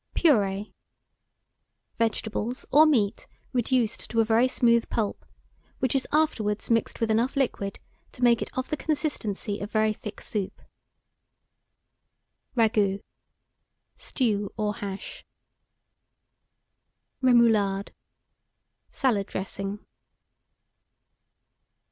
PURÉE. Vegetables, or meat reduced to a very smooth pulp, which is afterwards mixed with enough liquid to make it of the consistency of very thick soup. RAGOUT. Stew or hash. REMOULADE. Salad dressing.